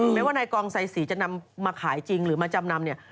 แม้ว่าในกองไซศีจะมาขายจริงหรือมาจำนำเนี่ย